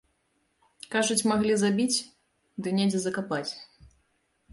Кажуць, маглі забіць ды недзе закапаць.